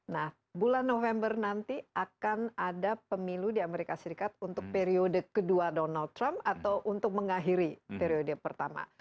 nah bulan november nanti akan ada pemilu di amerika serikat untuk periode kedua donald trump atau untuk mengakhiri periode pertama